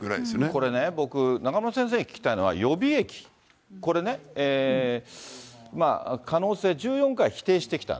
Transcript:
これね、僕、中村先生に聞きたいのは、予備役、これね、可能性、１４回否定してきた。